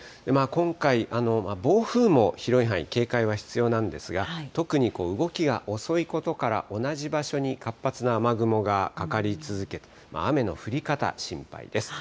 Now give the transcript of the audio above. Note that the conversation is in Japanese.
今回、暴風も広い範囲、警戒は必要なんですが、特に動きが遅いことから、同じ場所に活発な雨雲がかかり続けて、雨の降り方、心配です。